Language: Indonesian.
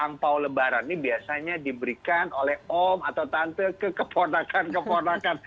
angpau lebaran ini biasanya diberikan oleh om atau tante ke keponakan keponakan